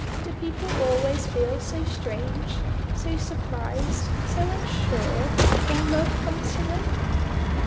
Do people always feel so strange, so surprised, so unsure, when love comes to them?